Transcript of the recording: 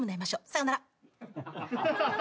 さよなら。